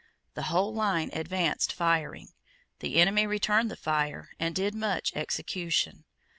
The whole line advanced firing. The enemy returned the fire and did much execution.